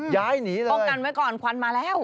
ย้ายหนีเลยป้องกันไว้ก่อนควันมาแล้ว